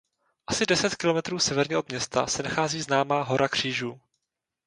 Asi deset kilometrů severně od města se nachází známá Hora křížů.